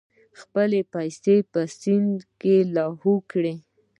خپلې پیسې په سیند لاهو کړې.